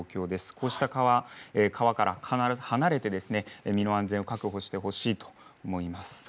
こうした川から離れて身の安全を確保してほしいと思います。